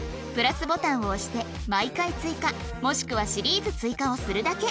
＋ボタンを押して「毎回追加」もしくは「シリーズ追加」をするだけ